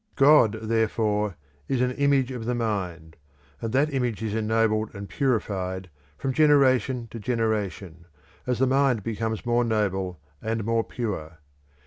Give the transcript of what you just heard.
God, therefore, is an image of the mind, and that image is ennobled and purified from generation to generation, as the mind becomes more noble and more pure.